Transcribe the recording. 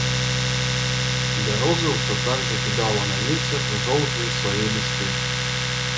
Бяроза ўсё так жа кідала на вецер жоўтыя свае лісты.